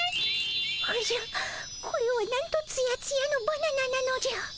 おじゃこれはなんとツヤツヤのバナナなのじゃ。